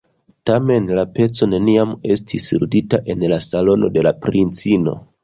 Tamen la peco neniam estis ludita en la salono de la princino.